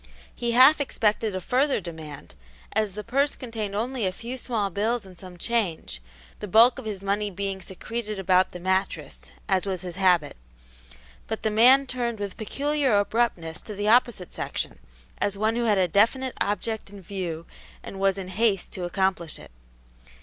He half expected a further demand, as the purse contained only a few small bills and some change, the bulk of his money being secreted about the mattress, as was his habit; but the man turned with peculiar abruptness to the opposite section, as one who had a definite object in view and was in haste to accomplish it.